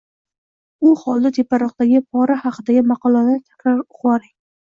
U holda teparoqdagi pora haqidagi maqolani takror oʻqivoring.